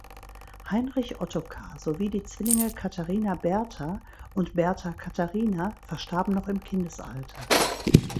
Heinrich Ottokar sowie die Zwillinge Katharina Bertha und Bertha Katharina verstarben noch im Kindesalter.